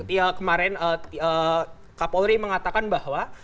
ya kemarin kak paul ri mengatakan bahwa